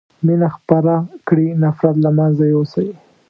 مينه خپره کړي نفرت له منځه يوسئ